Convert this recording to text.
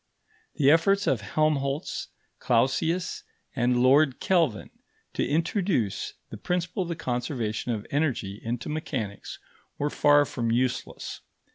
The efforts of Helmholtz, Clausius, and Lord Kelvin to introduce the principle of the conservation of energy into mechanics, were far from useless.